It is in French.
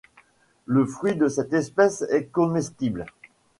Le fruit de cette espèce est comestible.